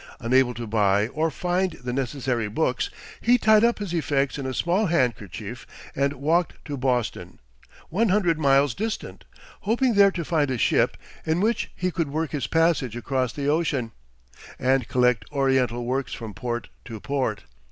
Unable to buy or find the necessary books, he tied up his effects in a small handkerchief, and walked to Boston, one hundred miles distant, hoping there to find a ship in which he could work his passage across the ocean, and collect oriental works from port to port.